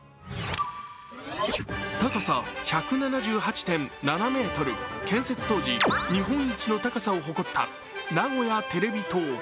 高さ１７８．７ｍ、建設当時、日本一の高さを誇った名古屋テレビ塔。